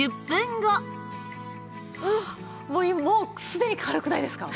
もうすでに軽くないですか？